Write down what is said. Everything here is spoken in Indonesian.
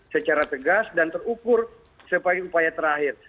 secara tegas dan terukur sebagai upaya terakhir